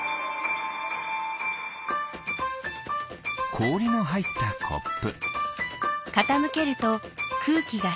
こおりのはいったコップ。